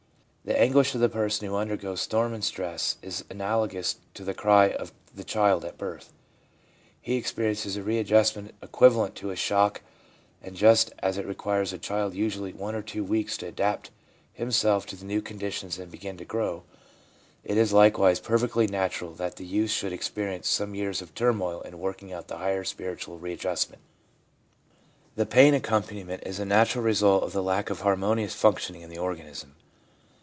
x The anguish of the person who undergoes storm and stress is analagous to the cry of the child at birth. He experiences a readjustment equivalent to a shock, and just as it requires a child usually one or two weeks to adapt himself to the new conditions and begin to grow, it is likewise perfectly natural that the youth should experience some years of turmoil in working out the higher spiritual readjustment. The pain accompani ment is the natural result of the lack of harmonious functioning in the organism.